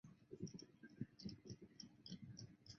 黛丝碧娜要求阿方索让她接管这个计画。